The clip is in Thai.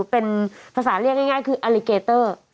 เป็นภาษาเรียกง่ายคืออลิเกเตอร์